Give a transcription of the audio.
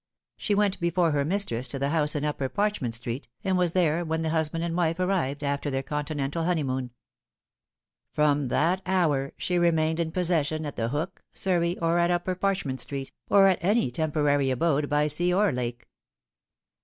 She went before her mistress to the house in Upper Parchment Street, and was there when the husband and wife arrived after their Continental honeymoon. From that hour she remained in possession at The Hook, Surrey, or at Upper Parchment Street, or at any temporary abode by sea or lake.